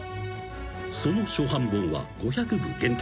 ［その初版本は５００部限定］